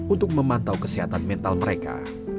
untuk memantau kesehatan mental mereka